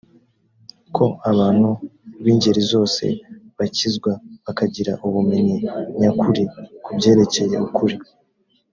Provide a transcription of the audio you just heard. ko abantu b ingeri zose bakizwa bakagira ubumenyi nyakuri ku byerekeye ukuri